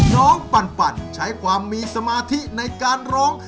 ปั่นใช้ความมีสมาธิในการร้อง